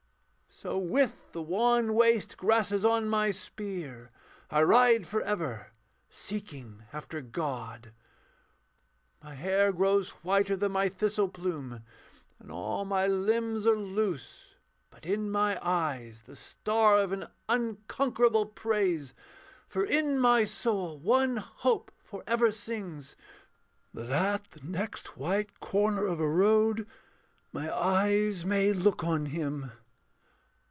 So, with the wan waste grasses on my spear, I ride for ever, seeking after God. My hair grows whiter than my thistle plume, And all my limbs are loose; but in my eyes The star of an unconquerable praise: For in my soul one hope for ever sings, That at the next white corner of a road My eyes may look on Him....